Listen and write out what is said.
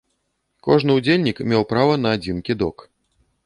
Кожны ўдзельнік меў права на адзін кідок.